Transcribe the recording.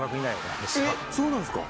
えっそうなんですか？